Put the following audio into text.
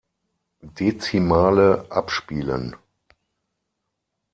Dezimale abspielen.